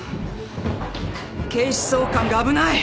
警視総監が危ない。